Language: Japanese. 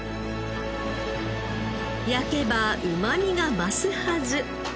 焼けばうまみが増すはず。